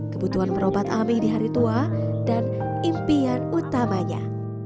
kebutuhan berobat ami di hari tua dan impian utamanya